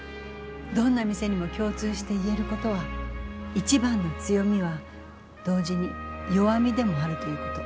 どんな店にも共通して言えることは一番の強みは同時に弱みでもあるということ。